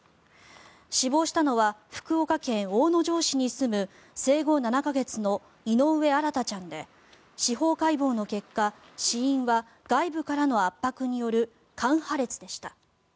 死亡したのは福岡県大野城市に住む生後７か月の井上新大ちゃんで司法解剖の結果死因は外部からの圧迫による肝破裂でした。